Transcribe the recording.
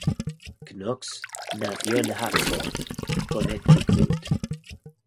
Knox nació en Hartford, Connecticut.